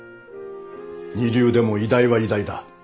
二流でも医大は医大だ